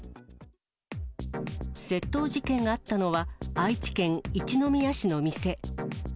窃盗事件があったのは、愛知県一宮市の店。